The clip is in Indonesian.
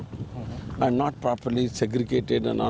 dan tidak segera dan tidak disipu